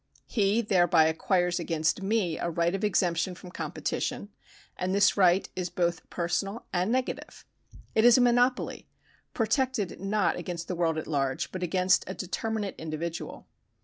He thereby acquires against me a right of exemption from competition, and this right is both personal and negative. It is a monopoly, protected not against the world at large, but against a determinate individual.